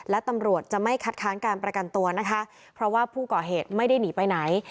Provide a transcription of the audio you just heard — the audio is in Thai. และตำรวจจะไม่คัดค้านการประกันตัวนะคะเพราะว่าผู้ก่อเหตุไม่ได้หนีไปไหน